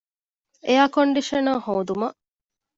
އެއަރ ކޮންޑިޝަނަރ ހޯދުމަށް